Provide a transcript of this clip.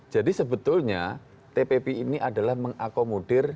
jadi sebetulnya tpp ini adalah mengakomodir